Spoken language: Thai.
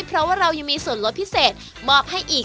เพราะว่าเรายังมีส่วนลดพิเศษมอบให้อีก